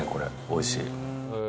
おいしい。